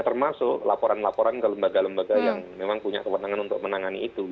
termasuk laporan laporan ke lembaga lembaga yang memang punya kewenangan untuk menangani itu